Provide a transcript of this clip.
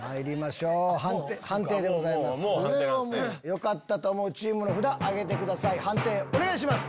よかったと思うチームの札挙げてくださいお願いします。